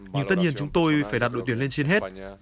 nhưng tất nhiên chúng tôi phải đặt đội tuyển lên trên hết